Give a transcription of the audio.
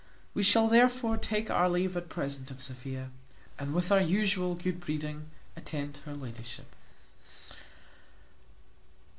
We shall therefore take our leave at present of Sophia, and, with our usual good breeding, attend her ladyship.